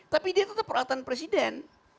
tapi dia tetap peralatan presiden